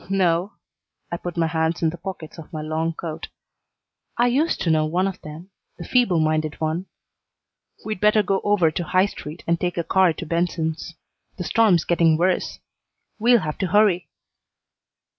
"No." I put my hands in the pockets of my long coat. "I used to know one of them, the feeble minded one. We'd better go over to High Street and take a car to Benson's. The storm's getting worse. We'll have to hurry."